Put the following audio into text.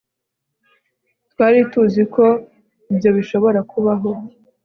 twari tuzi ko ibyo bishobora kubaho